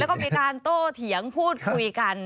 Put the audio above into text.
แล้วก็มีการโต้เถียงพูดคุยกัน